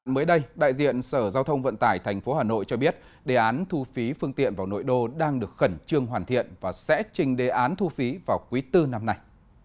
mới đây đại diện sở giao thông vận tải tp hà nội cho biết đề án thu phí phương tiện vào nội đô đang được khẩn trương hoàn thiện và sẽ trình đề án thu phí vào quý bốn năm nay